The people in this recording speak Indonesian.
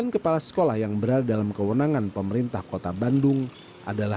sembilan kepala sekolah yang berada dalam kewenangan pemerintah kota bandung adalah